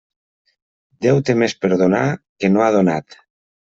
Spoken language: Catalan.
Déu té més per donar, que no ha donat.